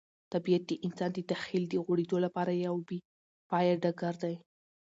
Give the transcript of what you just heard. طبیعت د انسان د تخیل د غوړېدو لپاره یو بې پایه ډګر دی.